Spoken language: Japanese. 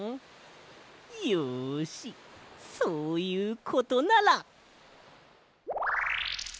よしそういうことなら。